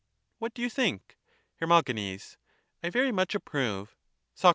What do you think? Her. I very much approve. Soc.